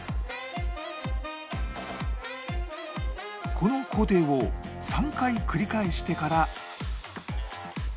この工程を３回繰り返してから